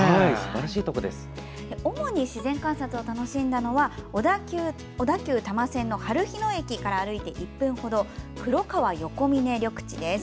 主に自然観察を楽しんだのは小田急多摩線のはるひ野駅から歩いて１分程黒川よこみね緑地です。